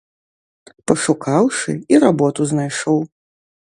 Пашукаўшы, і работу знайшоў.